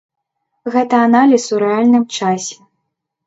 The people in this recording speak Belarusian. Гэта аналіз у рэальным часе.